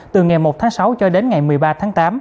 từ ngày một tháng sáu cho đến ngày một mươi ba tháng tám